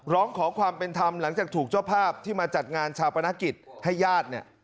ร้องขอความเป็นธรรมหลังจากถูกเจ้าภาพที่มาจัดงานชาปนกิจให้ญาติเนี่ย